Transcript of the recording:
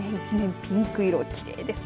ピンク色がきれいです。